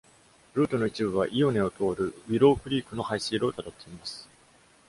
ルートの一部は、イオネを通るウィロー・クリークの排水路をたどっています。